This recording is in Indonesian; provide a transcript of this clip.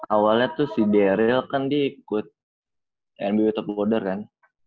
awalnya tuh si daryl kan dia ikut nba top loader kan